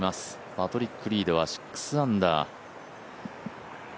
パトリック・リードは６アンダー。